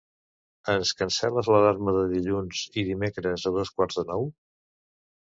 Ens cancel·les l'alarma de dilluns i dimecres a dos quarts de nou?